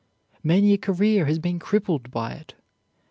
Many a career has been crippled by it.